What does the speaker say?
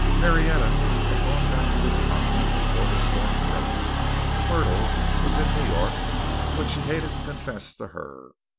Marietta had gone back to Wisconsin before the storm broke. Myrtle was in New York, but she hated to confess to her.